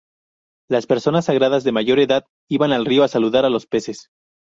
Las personas sagradas de mayor edad iban al río a saludar a los peces.